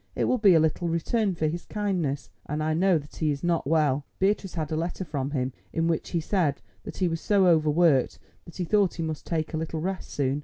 It will be a little return for his kindness, and I know that he is not well. Beatrice had a letter from him in which he said that he was so overworked that he thought he must take a little rest soon.